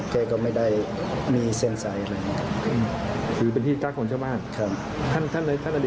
ท่านอเดียนในโลกคือมีปัญหาเรื่องอะไรครับ